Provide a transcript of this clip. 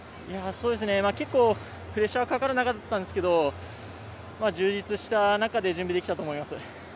結構プレッシャーがかかる中だったんですけれど、充実した中で準備できたと思います。